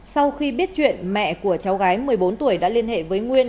sau khi biết chuyện mẹ của cháu gái một mươi bốn tuổi đã liên hệ với nguyên